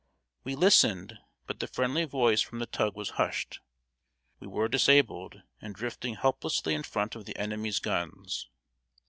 ] We listened, but the friendly voice from the tug was hushed. We were disabled, and drifting helplessly in front of the enemy's guns!